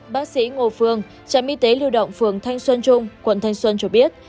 bác sĩ ngô phương trạm y tế lưu động phường thanh xuân trung quận thanh xuân cho biết